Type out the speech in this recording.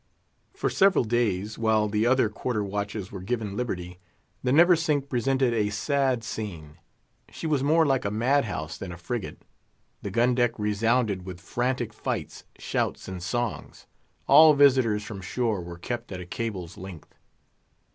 For several days, while the other quarter watches were given liberty, the Neversink presented a sad scene. She was more like a madhouse than a frigate; the gun deck resounded with frantic fights, shouts, and songs. All visitors from shore were kept at a cable's length.